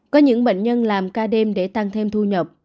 có những bệnh nhân làm ca đêm để tăng thêm thu nhập